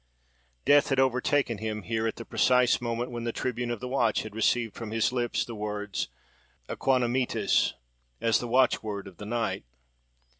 Death had overtaken him here at the precise moment when the tribune of the watch had received from his lips the word Aequanimitas! as the watchword of the night.